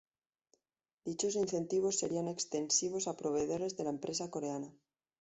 Dichos incentivos serían extensivos a proveedores de la empresa coreana.